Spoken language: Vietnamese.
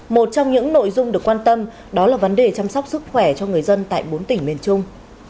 một trong những nội dung được quan tâm đó là vấn đề chăm sóc sức khỏe cho người dân tại bốn tỉnh miền trung